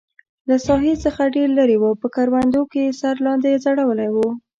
له ساحې څخه ډېر لرې و، په کروندو کې یې سر لاندې ځړولی و.